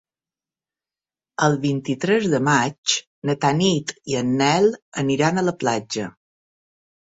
El vint-i-tres de maig na Tanit i en Nel aniran a la platja.